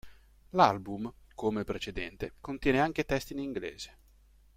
L'album, come il precedente, contiene anche testi in inglese.